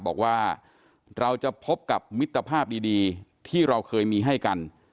บอกว่าเราจะพบกับมิตรภาพดีที่เราเคยมีให้กัน